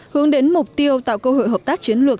hướng đến mục tiêu tạo cơ hội hợp tác chiến lược